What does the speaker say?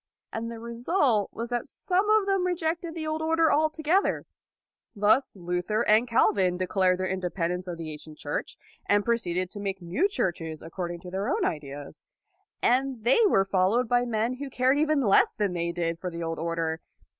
And the result was that some of them rejected the old order altogether. Thus Luther and Calvin declared their independence of the ancient Church, and proceeded to make 214 LAUD new churches according to their own ideas. And they were followed by men who cared even less than they did for the old order.